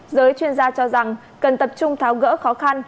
giới chuyên gia cho rằng cần tập trung tháo gỡ khó khăn